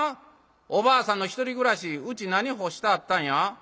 おばあさんのひとり暮らしうち何干してあったんや？」。